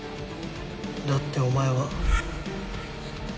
だってお前は。